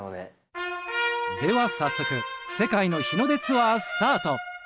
では早速世界の日の出ツアースタート！